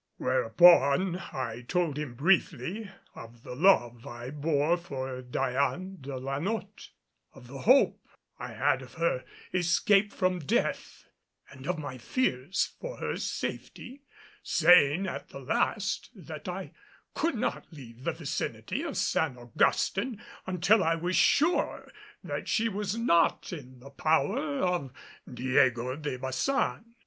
Whereupon I told him briefly of the love I bore for Diane de la Notte, of the hope I had of her escape from death and of my fears for her safety, saying at the last that I could not leave the vicinity of San Augustin until I was sure that she was not in the power of Diego de Baçan.